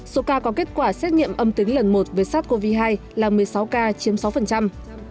số ca có kết quả xét nghiệm âm tính lần một với sars cov hai là một mươi sáu ca chiếm sáu